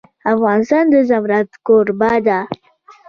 افغانستان د زمرد کوربه دی.